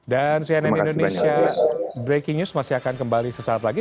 cnn indonesia breaking news masih akan kembali sesaat lagi